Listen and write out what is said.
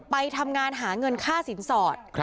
ไปทำงานหาเงินค่าสินสอด